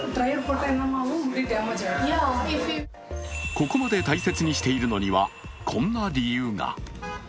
ここまで大切にしているのには、こんな理由が。